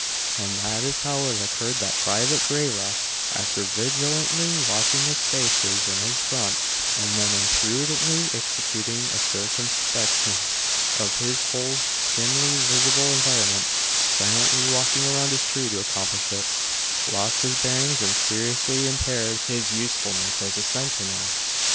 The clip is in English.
And that is how it occurred that Private Grayrock, after vigilantly watching the spaces in his front and then imprudently executing a circumspection of his whole dimly visible environment (silently walking around his tree to accomplish it) lost his bearings and seriously impaired his usefulness as a sentinel.